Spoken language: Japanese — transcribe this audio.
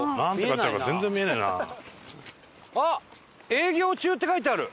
「営業中」って書いてある！